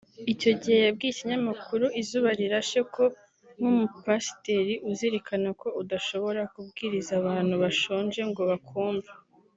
Icyo gihe yabwiye ikinyamakuru Izuba Rirashe ko nk’umupasiteri uzirikana ko udashobora kubwiriza abantu bashonje ngo bakumve